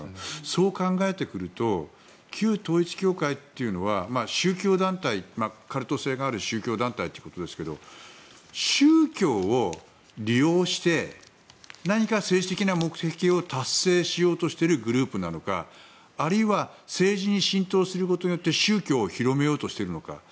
そう考えてくると旧統一教会というのはカルト性がある宗教団体ってことですけど宗教を利用して何か政治的な目的を達成しようとしているグループなのかあるいは政治に浸透することによって宗教を広めようとしているのか。